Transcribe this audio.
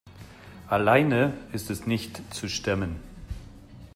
Alleine ist es nicht zu stemmen.